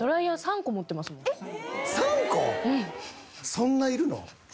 そんないる。